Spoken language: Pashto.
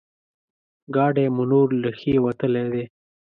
ګاډی مو نور له ښې وتلی دی.